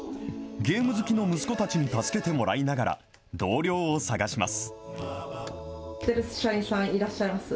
ゲーム好きの息子たちに助けてもらいながら、同僚を探します。